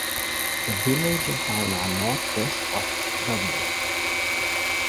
The village and town are northwest of Gouverneur.